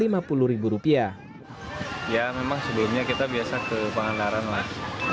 ya memang sebelumnya kita biasa ke pangandaran lah